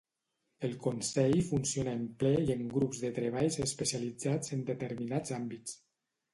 El Consell funciona en Ple i en grups de treballs especialitzats en determinats àmbits.